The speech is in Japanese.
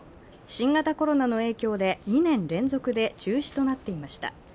新型コロナの影響で２年連続で中止となっていました。